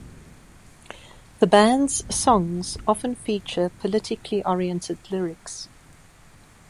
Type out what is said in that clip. The band's songs often feature politically oriented lyrics.